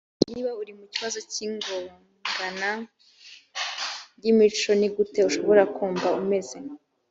niba uri mu kibazo cy igongana ry imico ni gute ushobora kumva umeze